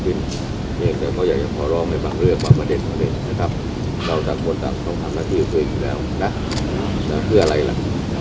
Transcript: เพราะฉะนั้นเขาอยากจะพอร้องในบางเรื่องความประเด็นของประเทศนะครับ